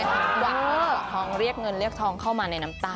หวังหวังเรียกเงินเต้นเข้ามาในน้ำตา